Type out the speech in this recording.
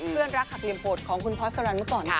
เพื่อนรักหักเรียมปวดของคุณพอสเตอรันเมื่อก่อน